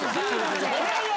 いやいや。